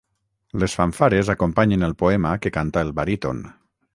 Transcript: Les fanfares acompanyen el poema que canta el baríton.